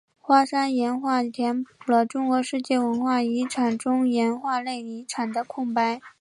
花山岩画填补了中国世界文化遗产中岩画类遗产的空白。